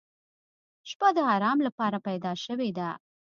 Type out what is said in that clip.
• شپه د آرام لپاره پیدا شوې ده.